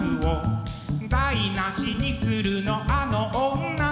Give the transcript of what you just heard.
「台無しにするのあの女！」